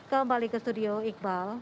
kembali ke studio iqbal